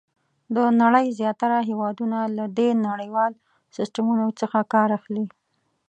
د نړۍ زیاتره هېوادونه له دې نړیوال سیسټمونو څخه کار اخلي.